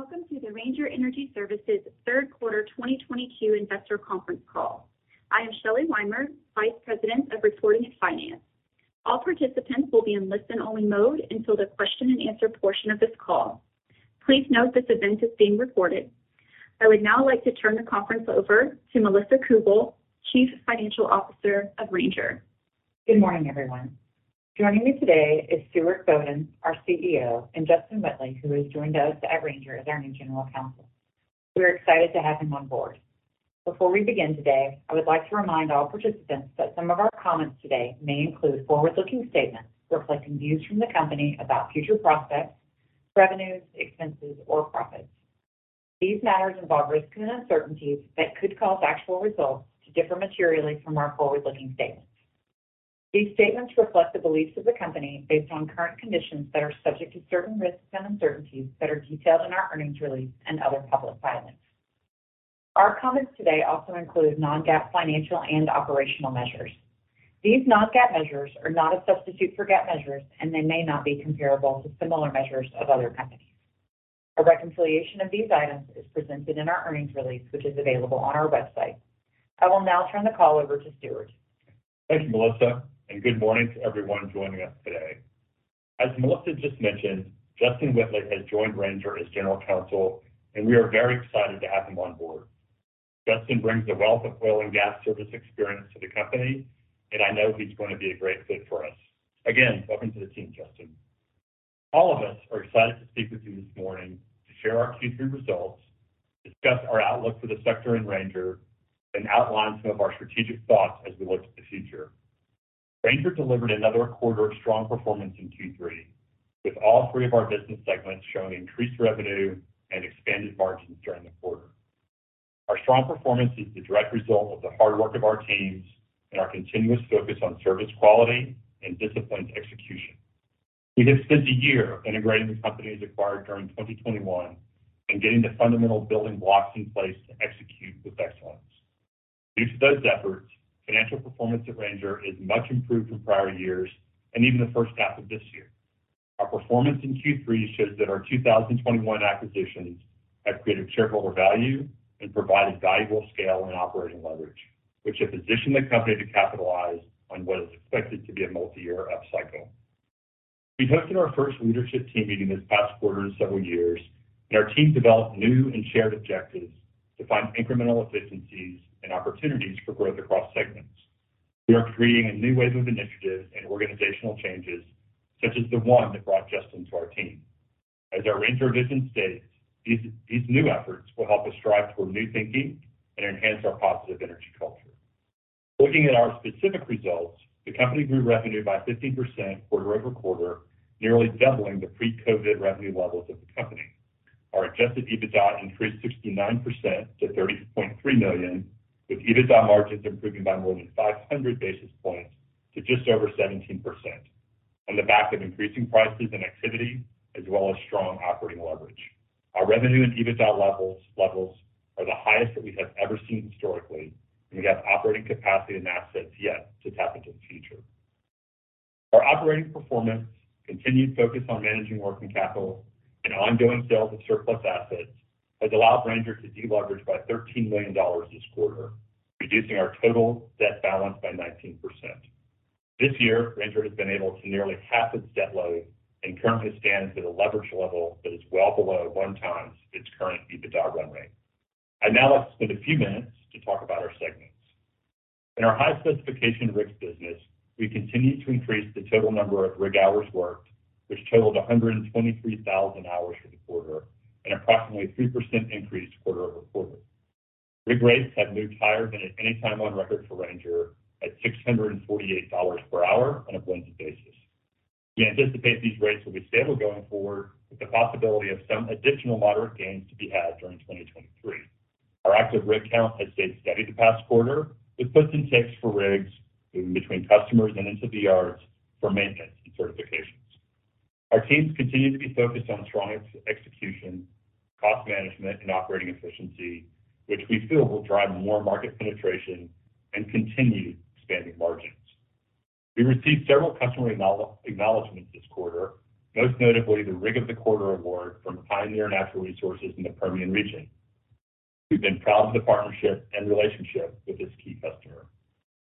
Welcome to the Ranger Energy Services third quarter 2022 investor conference call. I am Shelley Weimer, Vice President of Reporting and Finance. All participants will be in listen-only mode until the question-and-answer portion of this call. Please note this event is being recorded. I would now like to turn the conference over to Melissa Cougle, Chief Financial Officer of Ranger. Good morning, everyone. Joining me today is Stuart Bodden, our CEO, and Justin Whitley, who has joined us at Ranger as our new General Counsel. We're excited to have him on board. Before we begin today, I would like to remind all participants that some of our comments today may include forward-looking statements reflecting views from the company about future prospects, revenues, expenses, or profits. These matters involve risks and uncertainties that could cause actual results to differ materially from our forward-looking statements. These statements reflect the beliefs of the company based on current conditions that are subject to certain risks and uncertainties that are detailed in our earnings release and other public filings. Our comments today also include non-GAAP financial and operational measures. These non-GAAP measures are not a substitute for GAAP measures, and they may not be comparable to similar measures of other companies. A reconciliation of these items is presented in our earnings release, which is available on our website. I will now turn the call over to Stuart. Thank you, Melissa, and good morning to everyone joining us today. As Melissa just mentioned, Justin Whitley has joined Ranger as General Counsel, and we are very excited to have him on board. Justin brings a wealth of oil and gas service experience to the company, and I know he's going to be a great fit for us. Again, welcome to the team, Justin. All of us are excited to speak with you this morning to share our Q3 results, discuss our outlook for the sector and Ranger, and outline some of our strategic thoughts as we look to the future. Ranger delivered another quarter of strong performance in Q3, with all three of our business segments showing increased revenue and expanded margins during the quarter. Our strong performance is the direct result of the hard work of our teams and our continuous focus on service quality and disciplined execution. We have spent a year integrating the companies acquired during 2021 and getting the fundamental building blocks in place to execute with excellence. Due to those efforts, financial performance at Ranger is much improved from prior years and even the first half of this year. Our performance in Q3 shows that our 2021 acquisitions have created shareholder value and provided valuable scale and operating leverage, which have positioned the company to capitalize on what is expected to be a multi-year upcycle. We hosted our first leadership team meeting this past quarter in several years, and our team developed new and shared objectives to find incremental efficiencies and opportunities for growth across segments. We are creating a new wave of initiatives and organizational changes, such as the one that brought Justin to our team. As our Ranger vision states, these new efforts will help us strive toward new thinking and enhance our positive energy culture. Looking at our specific results, the company grew revenue by 50% quarter-over-quarter, nearly doubling the pre-COVID revenue levels of the company. Our adjusted EBITDA increased 69% to $30 million, with EBITDA margins improving by more than 500 basis points to just over 17% on the back of increasing prices and activity as well as strong operating leverage. Our revenue and EBITDA levels are the highest that we have ever seen historically, and we have operating capacity and assets yet to tap into the future. Our operating performance, continued focus on managing working capital, and ongoing sales of surplus assets has allowed Ranger to deleverage by $13 million this quarter, reducing our total debt balance by 19%. This year, Ranger has been able to nearly half its debt load and currently stands at a leverage level that is well below 1x its current EBITDA run rate. I'd now like to spend a few minutes to talk about our segments. In our high-specification rigs business, we continue to increase the total number of rig hours worked, which totaled 123,000 hours for the quarter and approximately 3% increase quarter-over-quarter. Rig rates have moved higher than at any time on record for Ranger at $648 per hour on a blended basis. We anticipate these rates will be stable going forward, with the possibility of some additional moderate gains to be had during 2023. Our active rig count has stayed steady the past quarter with puts and takes for rigs moving between customers and into the yards for maintenance and certifications. Our teams continue to be focused on strong execution, cost management, and operating efficiency, which we feel will drive more market penetration and continue expanding margins. We received several customer acknowledgements this quarter, most notably the Rig of the Quarter award from Pioneer Natural Resources in the Permian region. We've been proud of the partnership and relationship with this key customer.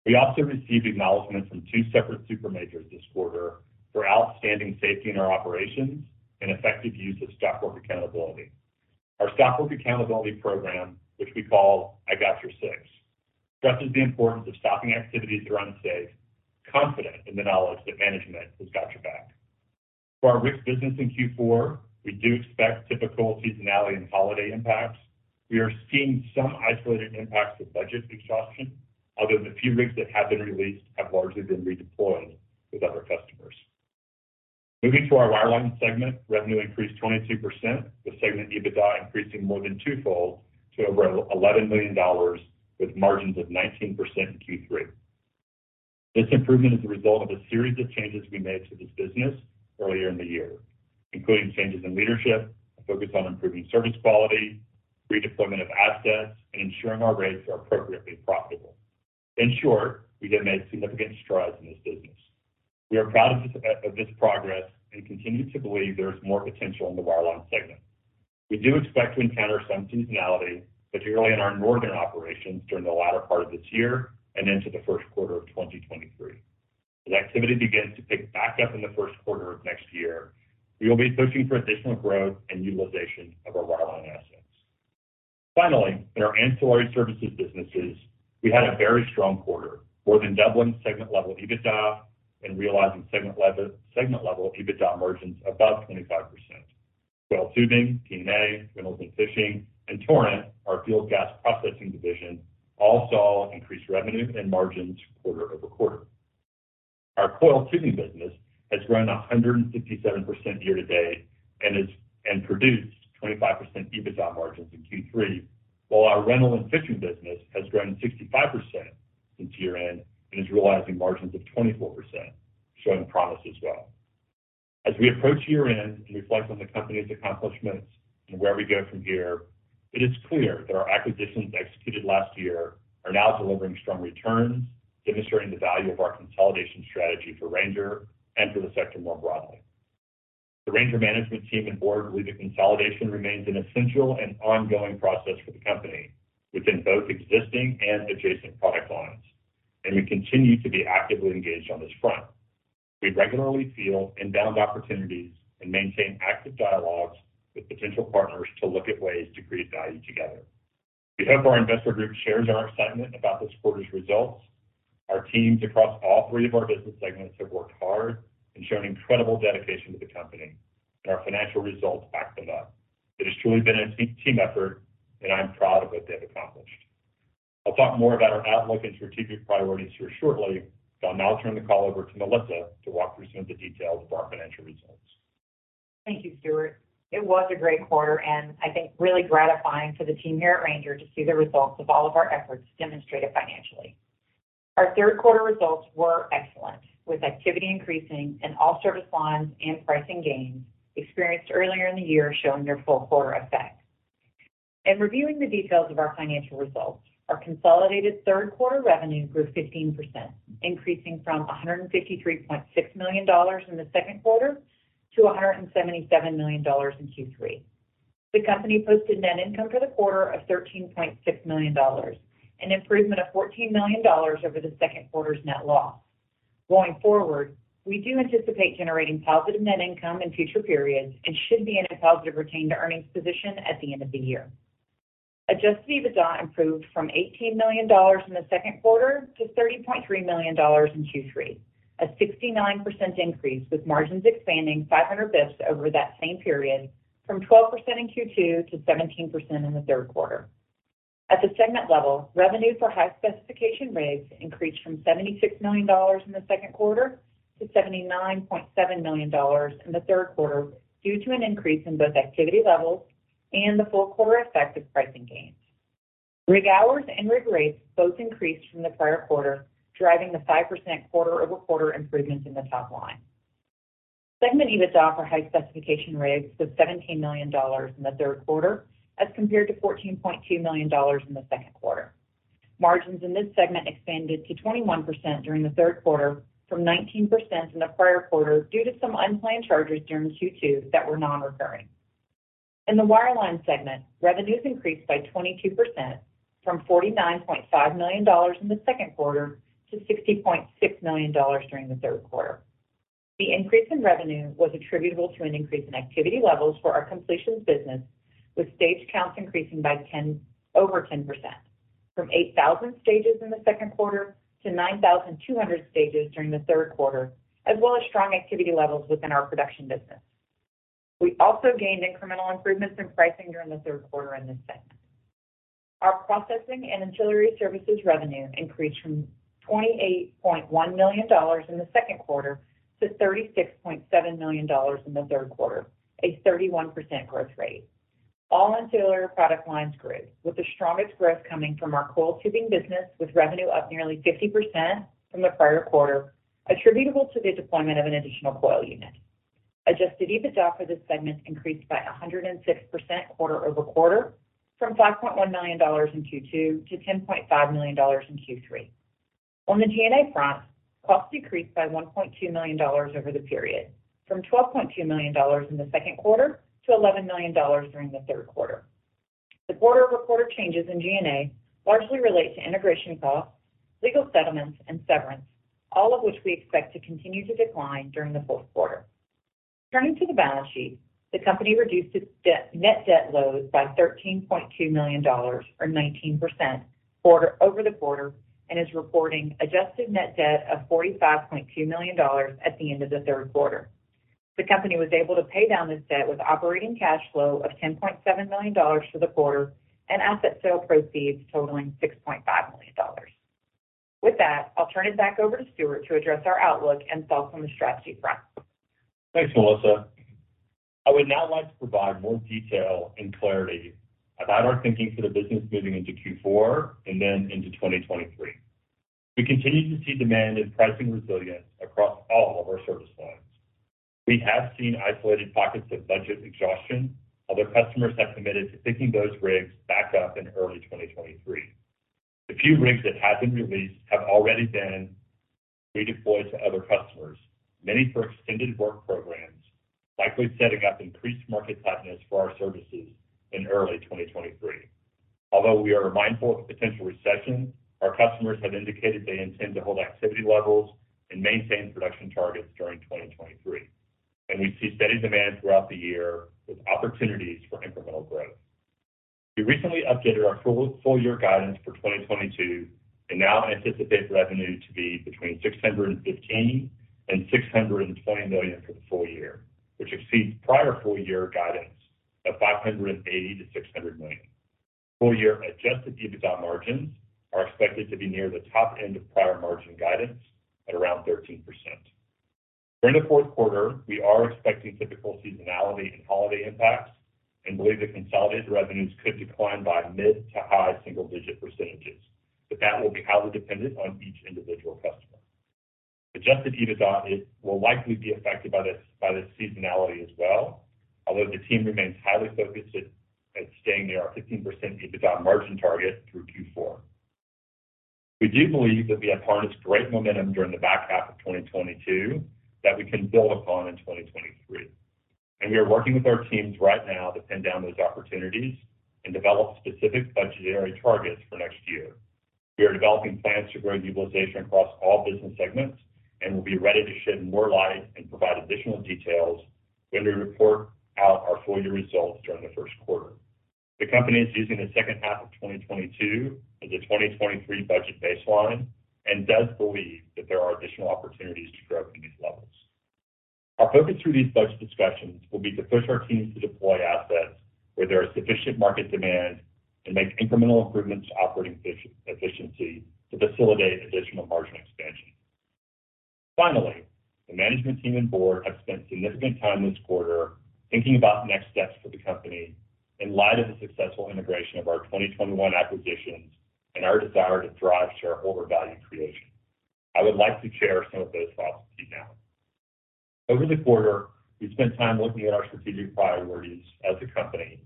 We also received acknowledgement from two separate super majors this quarter for outstanding safety in our operations and effective use of stop work accountability. Our stop work accountability program, which we call I Got Your Six, stresses the importance of stopping activities that are unsafe, confident in the knowledge that management has got your back. For our rigs business in Q4, we do expect typical seasonality and holiday impacts. We are seeing some isolated impacts of budget exhaustion, although the few rigs that have been released have largely been redeployed with other customers. Moving to our wireline segment, revenue increased 22%, with segment EBITDA increased more than twofold to over $11 million with margins of 19% in Q3. This improvement is the result of a series of changes we made to this business earlier in the year, including changes in leadership, a focus on improving service quality, redeployment of assets, and ensuring our rates are appropriately profitable. In short, we have made significant strides in this business. We are proud of this, of this progress and continue to believe there is more potential in the wireline segment. We do expect to encounter some seasonality, particularly in our northern operations during the latter part of this year and into the first quarter of 2023. As activity begins to pick back up in the first quarter of next year, we will be pushing for additional growth and utilization of our wireline assets. Finally, in our ancillary services businesses, we had a very strong quarter, more than doubling segment-level EBITDA and realizing segment-level EBITDA margins above 25%. Coiled tubing, G&A, rental and fishing, and Torrent, our fuel gas processing division, all saw increased revenue and margins quarter-over-quarter. Our coiled tubing business has grown 167% year-to-date and produced 25% EBITDA margins in Q3, while our rental and fishing business has grown 65% since year-end and is realizing margins of 24%, showing promise as well. As we approach year-end and reflect on the company's accomplishments and where we go from here, it is clear that our acquisitions executed last year are now delivering strong returns, demonstrating the value of our consolidation strategy for Ranger and for the sector more broadly. The Ranger management team and board believe that consolidation remains an essential and ongoing process for the company within both existing and adjacent product lines, and we continue to be actively engaged on this front. We regularly field inbound opportunities and maintain active dialogues with potential partners to look at ways to create value together. We hope our investor group shares our excitement about this quarter's results. Our teams across all three of our business segments have worked hard and shown incredible dedication to the company, and our financial results back them up. It has truly been a team effort, and I am proud of what they have accomplished. I'll talk more about our outlook and strategic priorities here shortly, but I'll now turn the call over to Melissa to walk through some of the details of our financial results. Thank you, Stuart. It was a great quarter, and I think really gratifying for the team here at Ranger to see the results of all of our efforts demonstrated financially. Our third quarter results were excellent, with activity increasing in all service lines and pricing gains experienced earlier in the year showing their full quarter effect. In reviewing the details of our financial results, our consolidated third quarter revenue grew 15%, increasing from $153.6 million in the second quarter to $177 million in Q3. The company posted net income for the quarter of $13.6 million, an improvement of $14 million over the second quarter's net loss. Going forward, we do anticipate generating positive net income in future periods and should be in a positive retained earnings position at the end of the year. Adjusted EBITDA improved from $18 million in the second quarter to $30 million in Q3, a 69% increase, with margins expanding 500 basis points over that same period from 12% in Q2 to 17% in the third quarter. At the segment level, revenue for high-specification rigs increased from $76 million in the second quarter to $79.7 million in the third quarter due to an increase in both activity levels and the full quarter effect of pricing gains. Rig hours and rig rates both increased from the prior quarter, driving the 5% quarter-over-quarter improvements in the top line. Segment EBITDA for high-specification rigs was $17 million in the third quarter as compared to $14.2 million in the second quarter. Margins in this segment expanded to 21% during the third quarter from 19% in the prior quarter due to some unplanned charges during Q2 that were non-recurring. In the wireline segment, revenues increased by 22% from $49.5 million in the second quarter to $60.6 million during the third quarter. The increase in revenue was attributable to an increase in activity levels for our completions business, with stage counts increasing by over 10% from 8,000 stages in the second quarter to 9,200 stages during the third quarter, as well as strong activity levels within our production business. We also gained incremental improvements in pricing during the third quarter in this segment. Our processing and ancillary services revenue increased from $28.1 million in the second quarter to $36.7 million in the third quarter, a 31% growth rate. All ancillary product lines grew, with the strongest growth coming from our coil tubing business, with revenue up nearly 50% from the prior quarter, attributable to the deployment of an additional coil unit. Adjusted EBITDA for this segment increased by 106% quarter-over-quarter from $5.1 million in Q2 to $10.5 million in Q3. On the G&A front, costs decreased by $1.2 million over the period from $12.2 million in the second quarter to $11 million during the third quarter. The quarter-over-quarter changes in G&A largely relate to integration costs, legal settlements, and severance, all of which we expect to continue to decline during the fourth quarter. Turning to the balance sheet, the company reduced its debt, net debt load by $13.2 million or 19% quarter-over-quarter and is reporting adjusted net debt of $45.2 million at the end of the third quarter. The company was able to pay down this debt with operating cash flow of $10.7 million for the quarter and asset sale proceeds totaling $6.5 million. With that, I'll turn it back over to Stuart to address our outlook and thoughts on the strategy front. Thanks, Melissa. I would now like to provide more detail and clarity about our thinking for the business moving into Q4 and then into 2023. We continue to see demand and pricing resilience across all of our service lines. We have seen isolated pockets of budget exhaustion, although customers have committed to picking those rigs back up in early 2023. The few rigs that have been released have already been redeployed to other customers, many for extended work programs, likely setting up increased market tightness for our services in early 2023. Although we are mindful of a potential recession, our customers have indicated they intend to hold activity levels and maintain production targets during 2023, and we see steady demand throughout the year with opportunities for incremental growth. We recently updated our full-year guidance for 2022 and now anticipate revenue to be between $615 million and $620 million for the full year, which exceeds prior full-year guidance of $580-$600 million. Full-year adjusted EBITDA margins are expected to be near the top end of prior margin guidance at around 13%. During the fourth quarter, we are expecting typical seasonality and holiday impacts and believe that consolidated revenues could decline by mid- to high single-digit percentages, but that will be highly dependent on each individual customer. Adjusted EBITDA will likely be affected by the seasonality as well. Although the team remains highly focused at staying near our 15% EBITDA margin target through Q4. We do believe that we have harnessed great momentum during the back half of 2022 that we can build upon in 2023, and we are working with our teams right now to pin down those opportunities and develop specific budgetary targets for next year. We are developing plans to grow utilization across all business segments and will be ready to shed more light and provide additional details when we report out our full year results during the first quarter. The company is using the second half of 2022 as a 2023 budget baseline and does believe that there are additional opportunities to grow from these levels. Our focus through these budget discussions will be to push our teams to deploy assets where there is sufficient market demand and make incremental improvements to operating efficiency to facilitate additional margin expansion. Finally, the management team and board have spent significant time this quarter thinking about next steps for the company in light of the successful integration of our 2021 acquisitions and our desire to drive shareholder value creation. I would like to share some of those thoughts with you now. Over the quarter, we've spent time looking at our strategic priorities as a company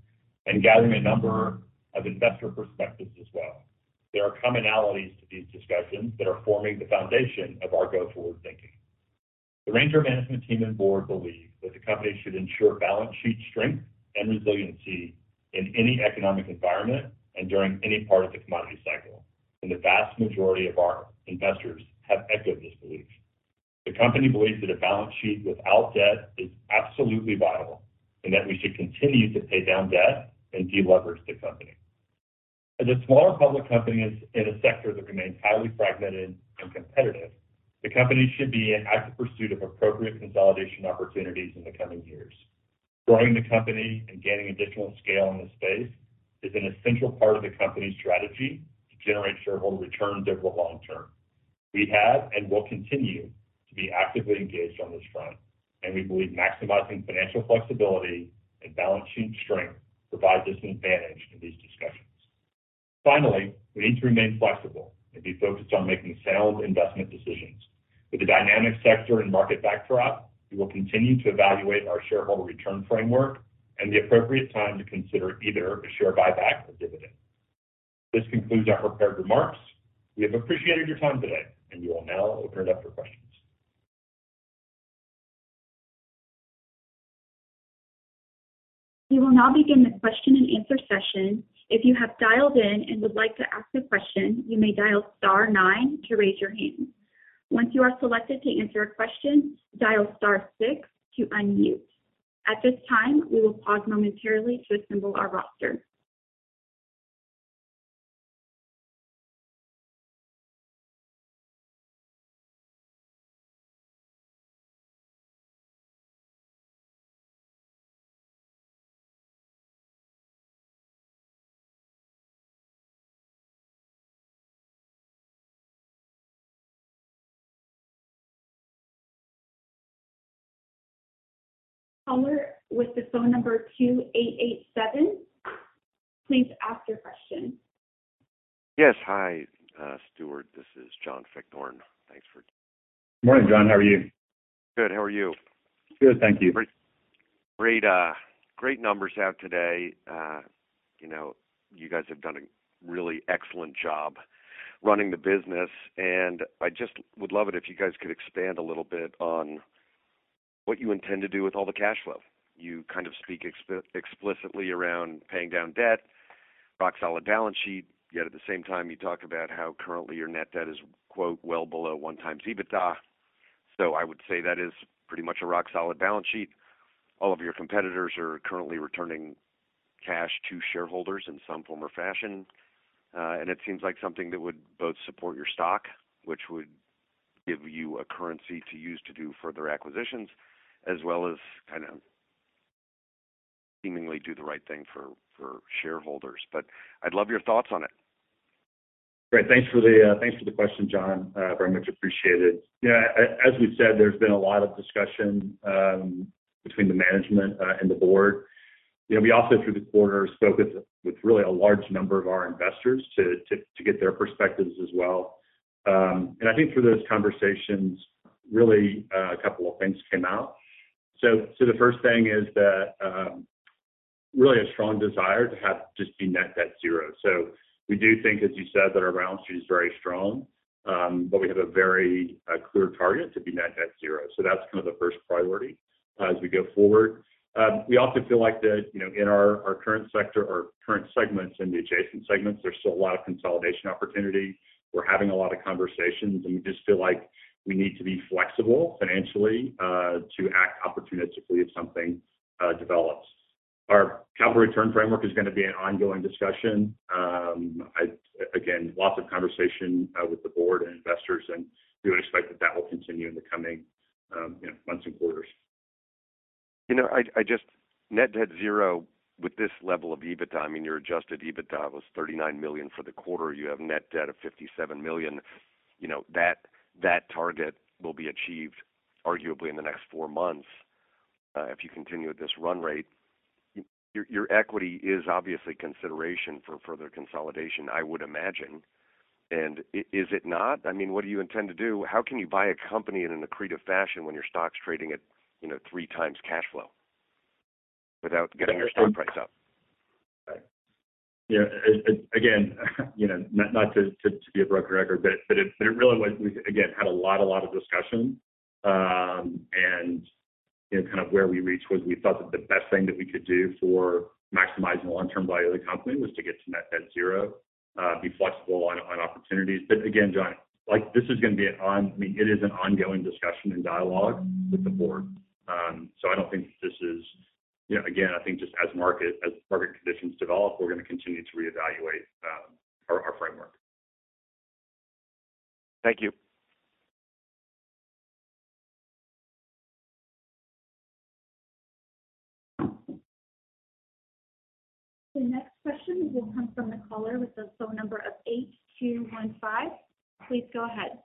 and gathering a number of investor perspectives as well. There are commonalities to these discussions that are forming the foundation of our go-forward thinking. The Ranger management team and board believe that the company should ensure balance sheet strength and resiliency in any economic environment and during any part of the commodity cycle. The vast majority of our investors have echoed this belief. The company believes that a balance sheet without debt is absolutely viable, and that we should continue to pay down debt and de-leverage the company. As a smaller public company in a sector that remains highly fragmented and competitive, the company should be in active pursuit of appropriate consolidation opportunities in the coming years. Growing the company and gaining additional scale in this space is an essential part of the company's strategy to generate shareholder returns over the long term. We have and will continue to be actively engaged on this front, and we believe maximizing financial flexibility and balance sheet strength provides us an advantage in these discussions. Finally, we need to remain flexible and be focused on making sound investment decisions. With the dynamic sector and market backdrop, we will continue to evaluate our shareholder return framework and the appropriate time to consider either a share buyback or dividend. This concludes our prepared remarks. We have appreciated your time today and we will now open it up for questions. We will now begin the question-and-answer session. If you have dialed in and would like to ask a question, you may dial star 9 to raise your hand. Once you are selected to answer a question, dial star 6 to unmute. At this time, we will pause momentarily to assemble our roster. Caller with the phone number 2887, please ask your question. Yes. Hi, Stuart. This is Brandon Blossman. Thanks for Morning, John. How are you? Good. How are you? Good, thank you. Great, great numbers out today. You know, you guys have done a really excellent job running the business, and I just would love it if you guys could expand a little bit on what you intend to do with all the cash flow. You kind of speak explicitly around paying down debt, rock solid balance sheet, yet at the same time, you talk about how currently your net debt is, quote, well below 1x EBITDA. So I would say that is pretty much a rock solid balance sheet. All of your competitors are currently returning cash to shareholders in some form or fashion. It seems like something that would both support your stock, which would give you a currency to use to do further acquisitions as well as kind of seemingly do the right thing for shareholders. But I'd love your thoughts on it. Great. Thanks for the question, John, very much appreciated. Yeah, as we've said, there's been a lot of discussion between the management and the board. You know, we also through the quarter spoke with really a large number of our investors to get their perspectives as well. I think through those conversations, really a couple of things came out. The first thing is that really a strong desire to have just be net debt zero. We do think, as you said, that our balance sheet is very strong, but we have a very clear target to be net debt zero. That's kind of the first priority as we go forward. We often feel like that, you know, in our current sector or current segments and the adjacent segments, there's still a lot of consolidation opportunity. We're having a lot of conversations, and we just feel like we need to be flexible financially to act opportunistically if something develops. Our capital return framework is gonna be an ongoing discussion. Again, lots of conversation with the board and investors, and we would expect that will continue in the coming, you know, months and quarters. You know, just net debt zero with this level of EBITDA. I mean, your adjusted EBITDA was $39 million for the quarter. You have net debt of $57 million. You know, that target will be achieved arguably in the next four months, if you continue at this run rate. Your equity is obviously consideration for further consolidation, I would imagine. Is it not? I mean, what do you intend to do? How can you buy a company in an accretive fashion when your stock's trading at, you know, three times cash flow without getting your stock price up? Yeah. Again, you know, not to be a broken record, but it really was we again had a lot of discussion. You know, kind of where we reached was we thought that the best thing that we could do for maximizing the long-term value of the company was to get to net debt zero, be flexible on opportunities. Again, John, like, this is gonna be an ongoing discussion and dialogue with the board. I don't think this is, you know, again, I think just as market conditions develop, we're gonna continue to reevaluate our framework. Thank you. The next question will come from the caller with the phone number of 8215. Please go ahead.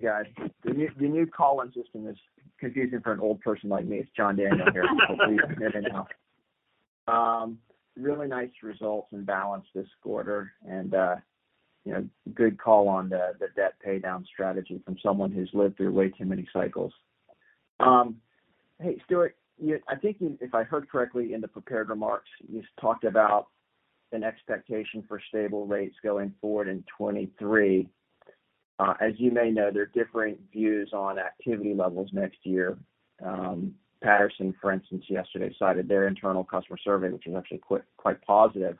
Hey, guys. The new call-in system is confusing for an old person like me. It's John Daniel here. Hopefully you can hear me now. Really nice results and balance sheet this quarter and, you know, good call on the debt paydown strategy from someone who's lived through way too many cycles. Hey, Stuart, I think if I heard correctly in the prepared remarks, you talked about an expectation for stable rates going forward in 2023. As you may know, there are differing views on activity levels next year. Patterson, for instance, yesterday cited their internal customer survey, which was actually quite positive,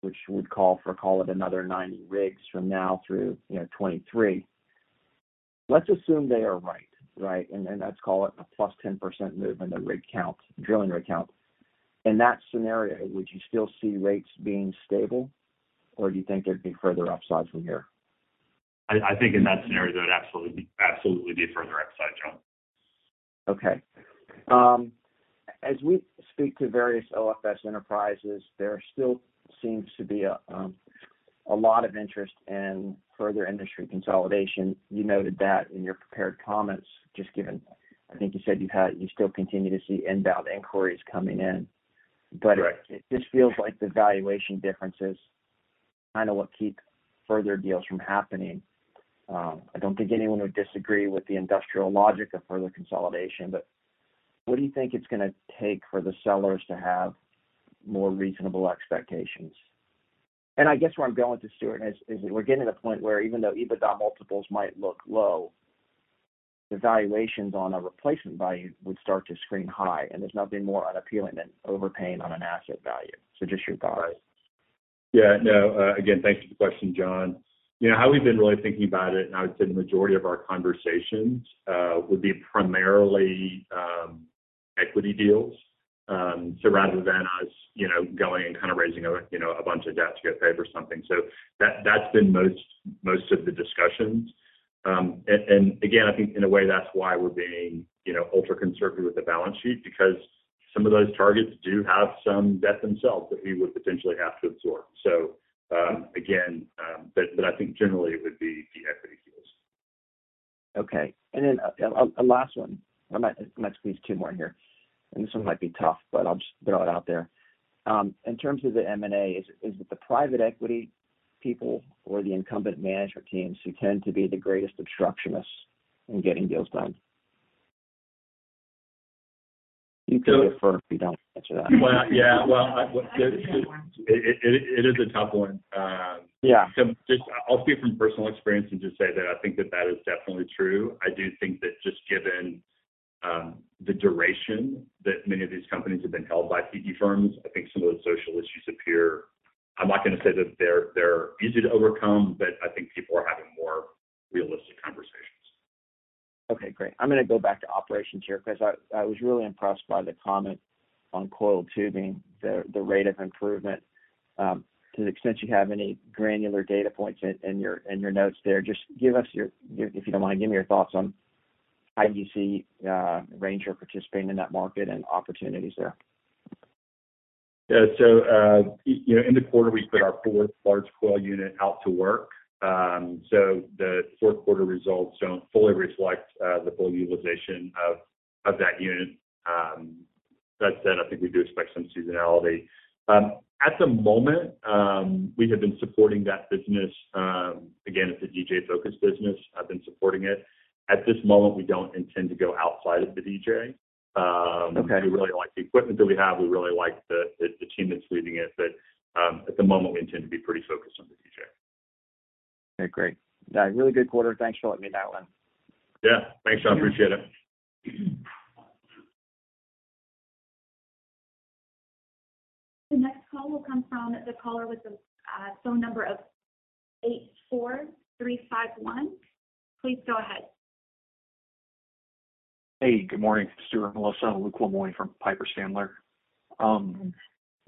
which would call it another 90 rigs from now through, you know, 2023. Let's assume they are right? Let's call it a +10% move in the rig count, drilling rig count. In that scenario, would you still see rates being stable, or do you think there'd be further upside from here? I think in that scenario, there would absolutely be further upside, John. Okay. As we speak to various OFS enterprises, there still seems to be a lot of interest in further industry consolidation. You noted that in your prepared comments. I think you said you still continue to see inbound inquiries coming in. Right. It just feels like the valuation difference is kinda what keep further deals from happening. I don't think anyone would disagree with the industrial logic of further consolidation, but what do you think it's gonna take for the sellers to have more reasonable expectations? I guess where I'm going with this, Stuart, is we're getting to the point where even though EBITDA multiples might look low, the valuations on a replacement value would start to screen high, and there's nothing more unappealing than overpaying on an asset value. Just your thoughts. Yeah. No. Again, thanks for the question, John. You know how we've been really thinking about it, and I would say the majority of our conversations would be primarily equity deals. Rather than us, you know, going and kinda raising a, you know, a bunch of debt to go pay for something. That, that's been most of the discussions. Again, I think in a way, that's why we're being, you know, ultra-conservative with the balance sheet because some of those targets do have some debt themselves that we would potentially have to absorb. Again, I think generally it would be the equity deals. Okay. Last one. I might squeeze two more here, and this one might be tough, but I'll just throw it out there. In terms of the M&A, is it the private equity people or the incumbent management teams who tend to be the greatest obstructionists in getting deals done? You can defer if you don't answer that. Well, yeah. Well, it is a tough one. Yeah. Just I'll speak from personal experience and just say that I think that is definitely true. I do think that just given, the duration that many of these companies have been held by PE firms, I think some of those social issues appear. I'm not gonna say that they're easy to overcome, but I think people are having more realistic conversations. Okay, great. I'm gonna go back to operations here because I was really impressed by the comment on coiled tubing, the rate of improvement. To the extent you have any granular data points in your notes there, if you don't mind, give me your thoughts on how you see Ranger participating in that market and opportunities there. Yeah. You know, in the quarter we put our fourth large coil unit out to work. The fourth quarter results don't fully reflect the full utilization of that unit. That said, I think we do expect some seasonality. At the moment, we have been supporting that business. Again, it's a DJ-focused business. I've been supporting it. At this moment, we don't intend to go outside of the DJ. Okay. We really like the equipment that we have. We really like the team that's leading it. At the moment, we intend to be pretty focused on the DJ. Okay, great. Yeah, really good quarter. Thanks for letting me take that one. Yeah. Thanks. I appreciate it. The next call will come from the caller with the phone number of 84351. Please go ahead. Hey, good morning, Stuart, Melissa. Luke Lemoine from Piper Sandler. Good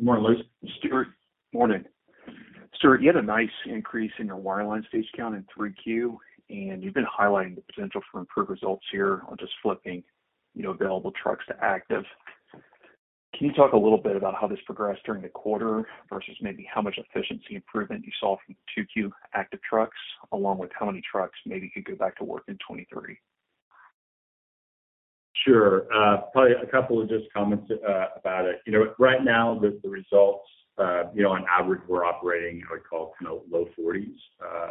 morning, Luke. Stuart, morning. Stuart, you had a nice increase in your wireline stage count in Q3, and you've been highlighting the potential for improved results here on just flipping, you know, available trucks to active. Can you talk a little bit about how this progressed during the quarter versus maybe how much efficiency improvement you saw from 2Q active trucks, along with how many trucks maybe could go back to work in 2023? Sure. Probably a couple of just comments about it. You know, right now the results, you know, on average we're operating what we call kind of low 40s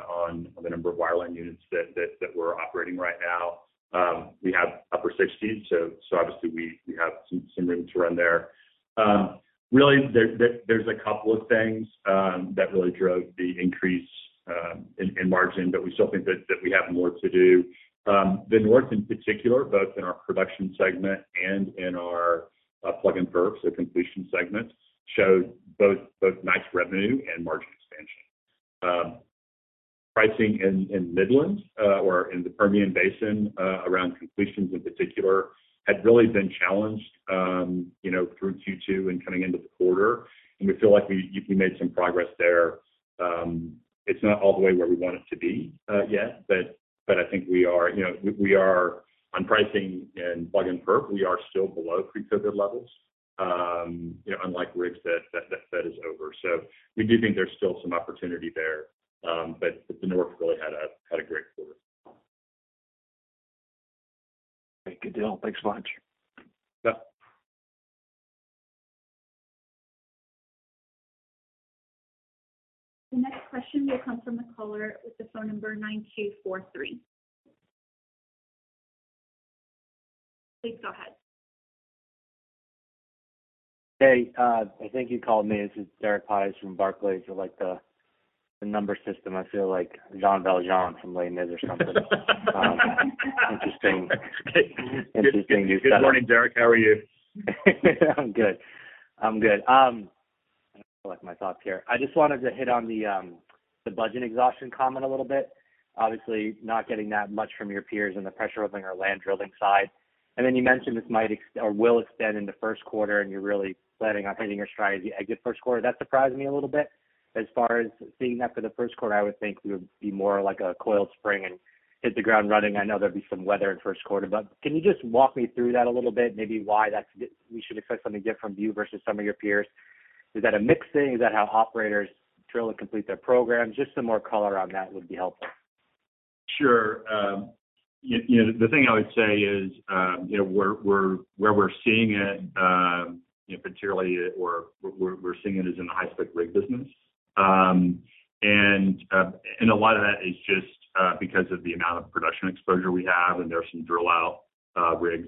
on the number of wireline units that we're operating right now. We have upper 60s, so obviously we have some room to run there. Really, there's a couple of things that really drove the increase in margin, but we still think that we have more to do. The North in particular, both in our production segment and in our Plug and Perf, so completion segment, showed both nice revenue and margin expansion. Pricing in Midland or in the Permian Basin around completions in particular had really been challenged, you know, through 2022 and coming into the quarter. We feel like we made some progress there. It's not all the way where we want it to be yet, but I think we are, you know, we are on pricing and Plug and Perf, we are still below pre-COVID levels. You know, unlike rigs that is over. We do think there's still some opportunity there. The North really had a great quarter. Okay. Good deal. Thanks much. Yeah. The next question will come from the caller with the phone number 9243. Please go ahead. Hey, I think you called me. This is Derek Podhaizer from Barclays. You like the number system. I feel like Jean Valjean from Les Mis or something. Interesting. Interesting you said that. Good morning, Derek. How are you? I'm good. I'm good. Collect my thoughts here. I just wanted to hit on the budget exhaustion comment a little bit. Obviously, not getting that much from your peers on the pressure pumping or land drilling side. You mentioned this might or will extend into first quarter, and you're really planning on maintaining your strategy as you exit first quarter. That surprised me a little bit. As far as seeing that for the first quarter, I would think we would be more like a coiled spring and hit the ground running. I know there'd be some weather in first quarter, but can you just walk me through that a little bit? Maybe why that's. We should expect something different from you versus some of your peers. Is that a mismatch? Is that how operators drill and complete their program? Just some more color on that would be helpful. Sure. You know, the thing I would say is, you know, where we're seeing it particularly is in the high-spec rig business. A lot of that is just because of the amount of production exposure we have, and there are some drill-out rigs.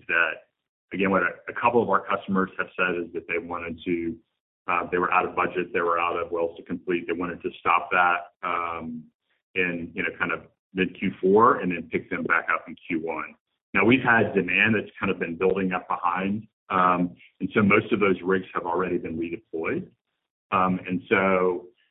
Again, what a couple of our customers have said is that they were out of budget, they were out of wells to complete. They wanted to stop that, you know, kind of mid Q4, and then pick them back up in Q1. Now, we've had demand that's kind of been building up behind. Most of those rigs have already been redeployed.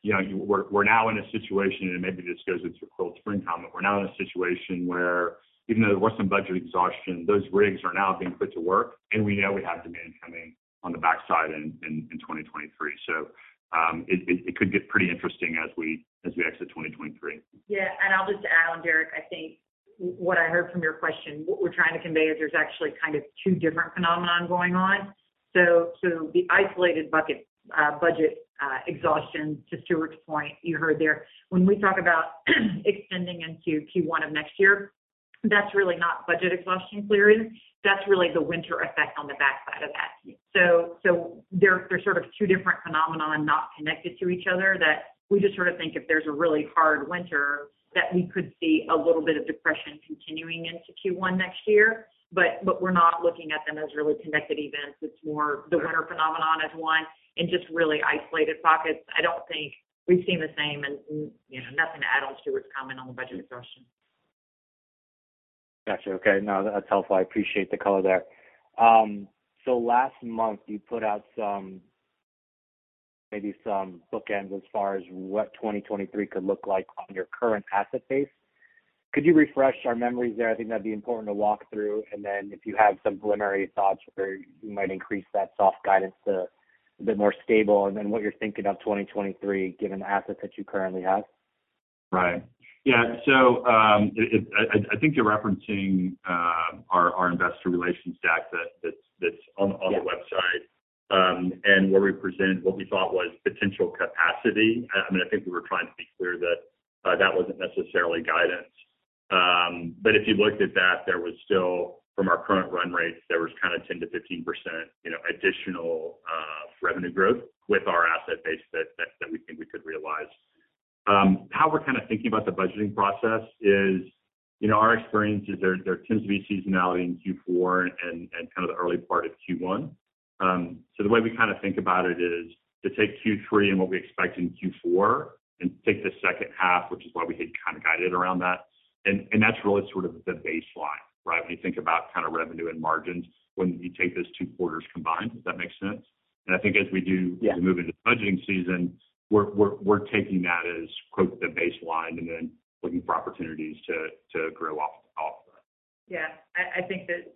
You know, we're now in a situation, and maybe this goes with your coiled spring comment, we're now in a situation where even though there was some budget exhaustion, those rigs are now being put to work, and we know we have demand coming on the backside in 2023. It could get pretty interesting as we exit 2023. Yeah. I'll just add on, Derek. I think what I heard from your question, what we're trying to convey is there's actually kind of two different phenomenon going on. The isolated budget exhaustion, to Stuart's point, you heard there. When we talk about extending into Q1 of next year, that's really not budget exhaustion clearing. That's really the winter effect on the backside of that. There's sort of two different phenomenon not connected to each other that we just sort of think if there's a really hard winter, that we could see a little bit of depression continuing into Q1 next year. We're not looking at them as really connected events. It's more the winter phenomenon as one and just really isolated pockets. I don't think we've seen the same and, you know, nothing to add on Stuart's comment on the budget discussion. Got you. Okay. No, that's helpful. I appreciate the color there. Last month, you put out some, maybe some bookends as far as what 2023 could look like on your current asset base. Could you refresh our memories there? I think that'd be important to walk through, and then if you have some preliminary thoughts where you might increase that soft guidance to a bit more stable, and then what you're thinking of 2023, given the assets that you currently have. Right. Yeah. I think you're referencing our investor relations deck that's on the website, where we present what we thought was potential capacity. I mean, I think we were trying to be clear that that wasn't necessarily guidance. If you looked at that, there was still, from our current run rates, kinda 10%-15%, you know, additional revenue growth with our asset base that we think we could realize. How we're kinda thinking about the budgeting process is, you know, our experience is, there tends to be seasonality in Q4 and kinda the early part of Q1. The way we kinda think about it is to take Q3 and what we expect in Q4 and take the second half, which is why we had kinda guided around that. That's really sort of the baseline, right? When you think about kinda revenue and margins when you take those two quarters combined. Does that make sense? I think as we do. Yeah. As we move into budgeting season, we're taking that as "the baseline" and then looking for opportunities to grow off that. I think that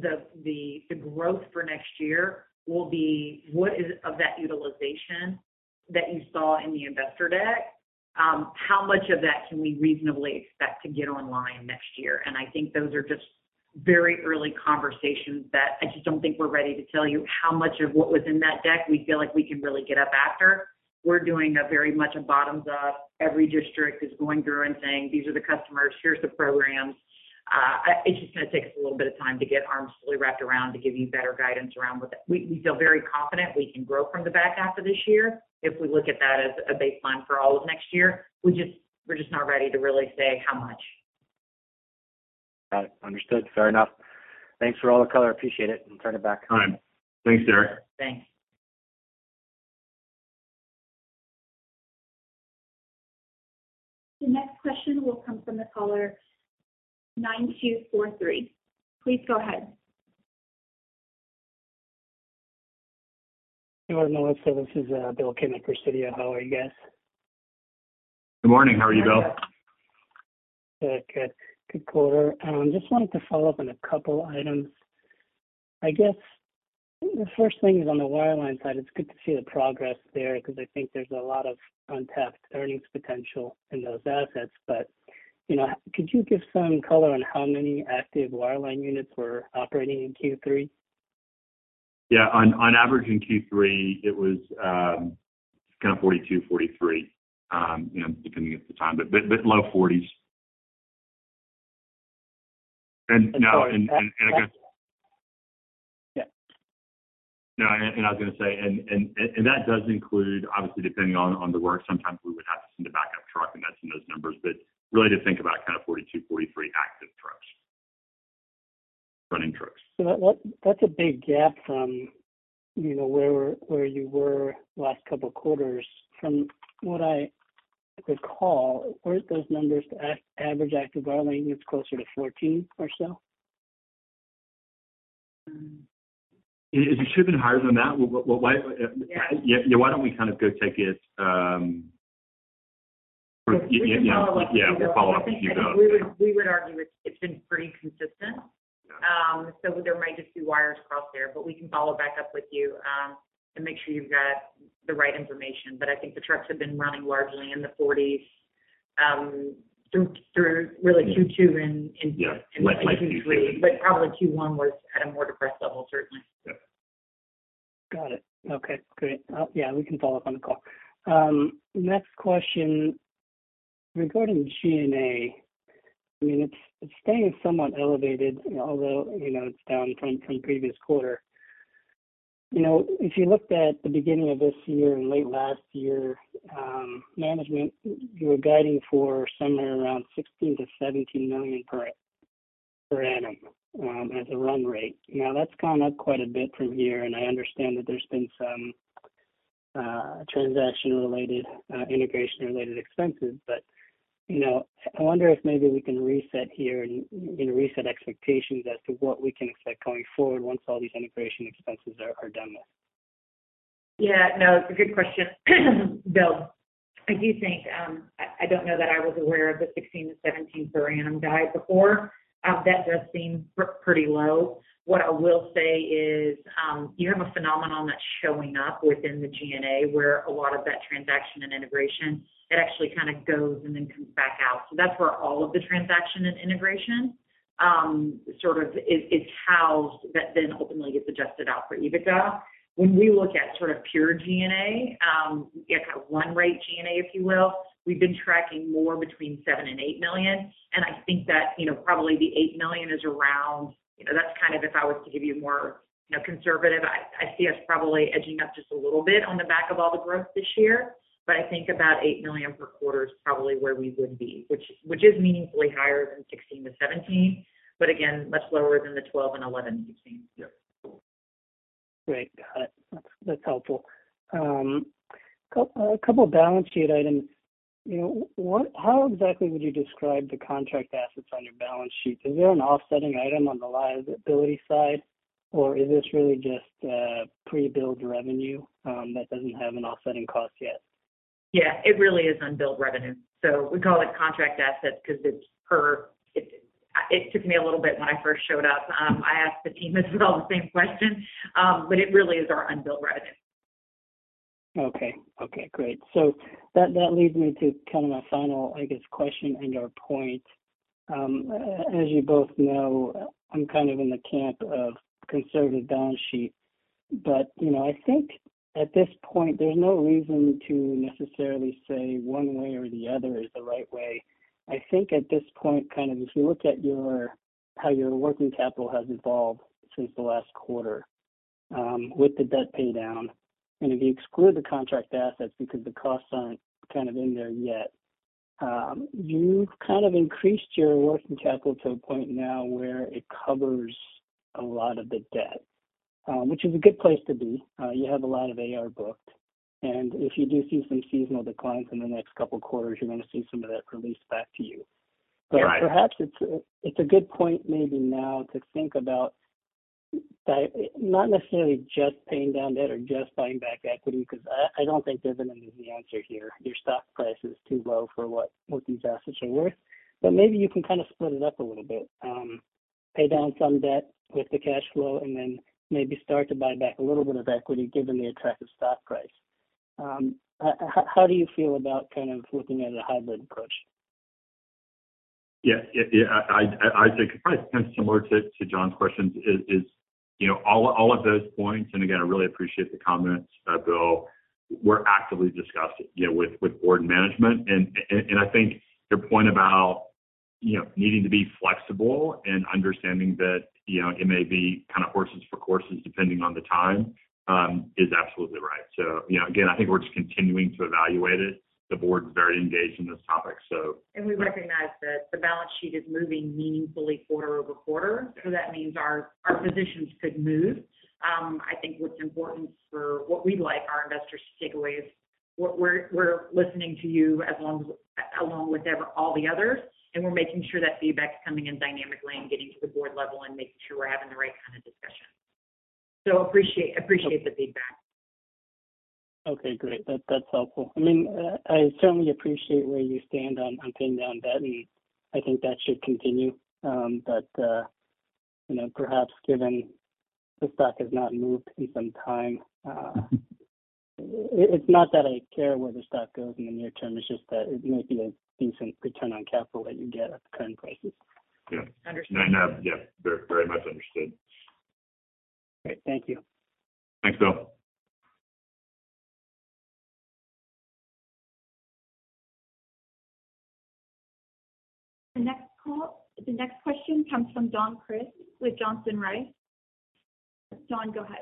the growth for next year will be what is of that utilization that you saw in the investor deck, how much of that can we reasonably expect to get online next year? I think those are just very early conversations that I just don't think we're ready to tell you how much of what was in that deck we feel like we can really get up after. We're doing very much a bottoms up. Every district is going through and saying, "These are the customers, here's the programs." It's just gonna take us a little bit of time to get arms fully wrapped around to give you better guidance around with it. We feel very confident we can grow from the back half of this year if we look at that as a baseline for all of next year. We're just not ready to really say how much. Got it. Understood. Fair enough. Thanks for all the color. Appreciate it, and turn it back. All right. Thanks, Derek. Thanks. The next question will come from the caller 9243. Please go ahead. Good morning. This is Bill Kim with Presidio. How are you guys? Good morning. How are you, Bill? Good quarter. Just wanted to follow up on a couple items. I guess the first thing is on the wireline side. It's good to see the progress there 'cause I think there's a lot of untapped earnings potential in those assets. But, you know, could you give some color on how many active wireline units were operating in Q3? On average in Q3, it was kinda 42%-43%, you know, depending at the time, but low 40s%. Sorry. I guess. Yeah. No. I was gonna say that does include, obviously, depending on the work, sometimes we would have to send a backup truck, and that's in those numbers. Really to think about kinda 42, 43 active trucks. Running trucks. That's a big gap from, you know, where you were last couple quarters. From what I recall, weren't those numbers average active wireline units closer to 14 or so? It should have been higher than that. Yeah. Why don't we kind of go take it... We can follow up with you, Bill. Yeah, we'll follow up with you, Bill. We would argue it's been pretty consistent. There might just be wires crossed there, but we can follow back up with you, and make sure you've got the right information. I think the trucks have been running largely in the forties, through really Q2 and Q3. Yeah. Might be. Probably Q1 was at a more depressed level, certainly. Yeah. Got it. Okay, great. Yeah, we can follow up on the call. Next question, regarding G&A, I mean, it's staying somewhat elevated, although, you know, it's down from previous quarter. You know, if you looked at the beginning of this year and late last year, management, you were guiding for somewhere around $16 million-$17 million per annum as a run rate. Now, that's gone up quite a bit from here, and I understand that there's been some transaction-related integration-related expenses. You know, I wonder if maybe we can reset here and, you know, reset expectations as to what we can expect going forward once all these integration expenses are done with. Yeah. No, it's a good question, Bill. I do think I don't know that I was aware of the 16-17 per annum guide before. That does seem pretty low. What I will say is you have a phenomenon that's showing up within the G&A where a lot of that transaction and integration it actually kinda goes and then comes back out. That's where all of the transaction and integration sort of is housed, but then ultimately gets adjusted out for EBITDA. When we look at sort of pure G&A, you have a run-rate G&A, if you will, we've been tracking more between $7 million and $8 million, and I think that, you know, probably the $8 million is around, you know, that's kind of if I was to give you more, you know, conservative, I see us probably edging up just a little bit on the back of all the growth this year. I think about $8 million per quarter is probably where we would be, which is meaningfully higher than $16-$17 million, but again, much lower than the $12 million and $11 million we've seen. Yeah. Great. Got it. That's helpful. Couple of balance sheet items. You know, what, how exactly would you describe the contract assets on your balance sheet? Is there an offsetting item on the liability side? Or is this really just pre-billed revenue that doesn't have an offsetting cost yet? Yeah, it really is unbilled revenue. We call it contract assets 'cause it took me a little bit when I first showed up. I asked the team the same question, but it really is our unbilled revenue. Okay. Great. That leads me to kind of my final, I guess, question and/or point. As you both know, I'm kind of in the camp of conservative balance sheet. You know, I think at this point there's no reason to necessarily say one way or the other is the right way. I think at this point, kind of if you look at how your working capital has evolved since the last quarter, with the debt pay down, and if you exclude the contract assets because the costs aren't kind of in there yet, you've kind of increased your working capital to a point now where it covers a lot of the debt, which is a good place to be. You have a lot of A/R booked, and if you do see some seasonal declines in the next couple quarters, you're gonna see some of that release back to you. You're right. Perhaps it's a good point. Maybe now to think about not necessarily just paying down debt or just buying back equity, 'cause I don't think there's an easy answer here. Your stock price is too low for what these assets are worth. Maybe you can kind of split it up a little bit. Pay down some debt with the cash flow, and then maybe start to buy back a little bit of equity, given the attractive stock price. How do you feel about kind of looking at a hybrid approach? Yeah. I think probably kind of similar to John's questions is you know all of those points, and again I really appreciate the comments Bill we're actively discussing you know with board management. I think your point about you know needing to be flexible and understanding that you know it may be kind of horses for courses depending on the time is absolutely right. You know again I think we're just continuing to evaluate it. The board is very engaged in this topic so. We recognize that the balance sheet is moving meaningfully quarter over quarter, so that means our positions could move. I think what's important for what we'd like our investors to take away is we're listening to you along with all the others, and we're making sure that feedback is coming in dynamically and getting to the board level and making sure we're having the right kind of discussion. Appreciate the feedback. Okay, great. That's helpful. I mean, I certainly appreciate where you stand on paying down debt, and I think that should continue. You know, perhaps given the stock has not moved in some time, it's not that I care where the stock goes in the near term, it's just that it might be a decent return on capital that you get at the current prices. Yeah. Understood. No, no, yeah, very, very much understood. Great. Thank you. Thanks, Bill. The next question comes from Don Crist with Johnson Rice. Don, go ahead.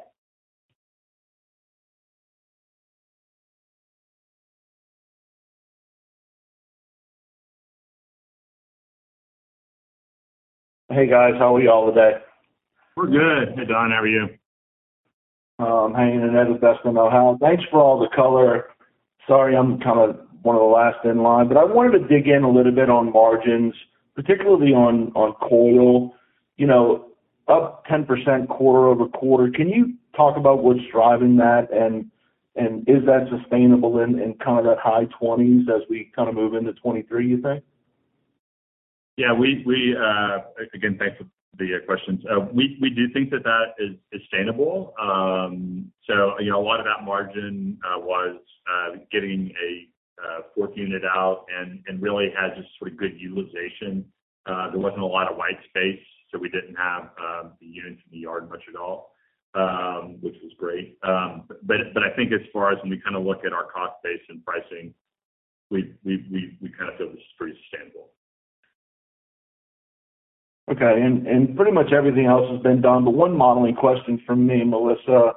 Hey, guys. How are y'all today? We're good. Hey, Don, how are you? I'm hanging in there the best I know how. Thanks for all the color. Sorry, I'm kinda one of the last in line, but I wanted to dig in a little bit on margins, particularly on coiled. You know, up 10% quarter-over-quarter. Can you talk about what's driving that, and is that sustainable in kinda that high 20s% as we kinda move into 2023, you think? Yeah. We again, thanks for the questions. We do think that is sustainable. You know, a lot of that margin was getting a fourth unit out and really had just sort of good utilization. There wasn't a lot of white space, so we didn't have the units in the yard much at all, which was great. But I think as far as when we kinda look at our cost base and pricing, we kinda feel this is pretty sustainable. Okay. Pretty much everything else has been done, but one modeling question from me, Melissa.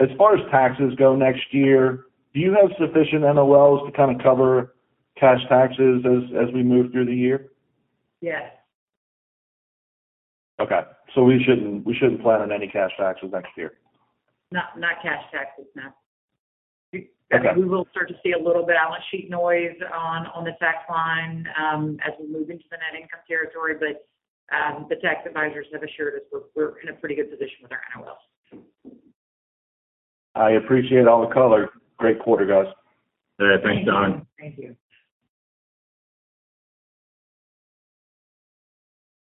As far as taxes go next year, do you have sufficient NOLs to kinda cover cash taxes as we move through the year? Yes. Okay. We shouldn't plan on any cash taxes next year? Not cash taxes, no. Okay. I think we will start to see a little balance sheet noise on the tax line as we move into the net income territory. The tax advisors have assured us we're in a pretty good position with our NOLs. I appreciate all the color. Great quarter, guys. Yeah. Thanks, Don. Thank you.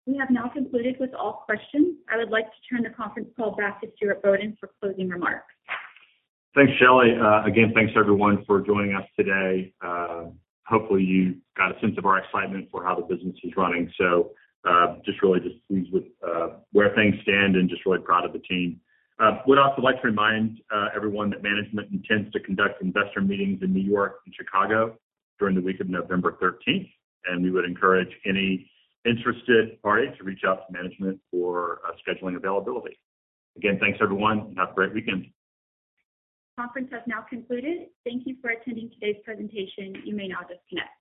We have now concluded with all questions. I would like to turn the conference call back to Stuart Bodden for closing remarks. Thanks, Shelley. Again, thanks everyone for joining us today. Hopefully you got a sense of our excitement for how the business is running. Just really pleased with where things stand and just really proud of the team. Would also like to remind everyone that management intends to conduct investor meetings in New York and Chicago during the week of November thirteenth, and we would encourage any interested party to reach out to management for scheduling availability. Again, thanks everyone, and have a great weekend. Conference has now concluded. Thank you for attending today's presentation. You may now disconnect.